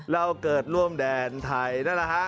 เราเกิดร่วมแดนไทยนั่นแหละฮะ